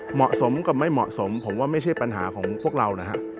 เหมาะสมกับไม่เหมาะสมผมว่าไม่ใช่ปัญหาของพวกเรานะฮะ